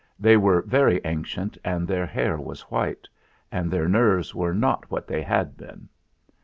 They were very ancient, and their hair was white, and their nerves were not what they had been.